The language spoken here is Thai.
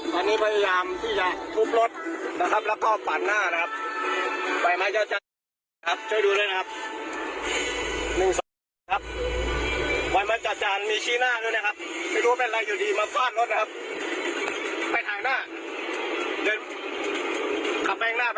เดี๋ยวขับแป้งหน้าไปถ่ายหน้าไปนี้เดี๋ยวแจ้งเป็นหมวดข้างหน้าเลยครับ